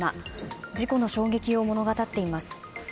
事故の衝撃を物語っています。